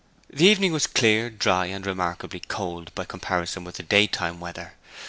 The evening was clear, dry, and remarkably cold by comparison with the daytime weather.